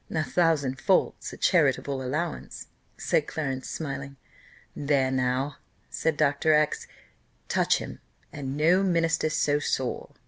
"A thousand faults! a charitable allowance," said Clarence, smiling. "There now," said Dr. X 'Touch him, and no minister's so sore.